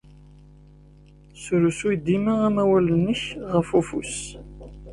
Srusuy dima amawal-nnek ɣef ufus.